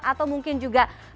atau mungkin juga pembatasan